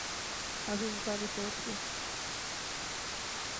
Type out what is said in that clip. اب انسانی سوچ کے